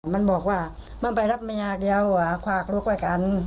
มันบอกว่ามันไปรับเมียฝากลูกไว้กัน